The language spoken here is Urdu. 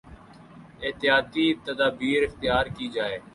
احتیاطی تدابیراختیار کی جائیں